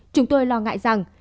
chúng tôi lo ngại rằng